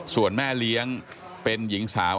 ส่วนแม่เลี้ยงเป็นหญิงสาว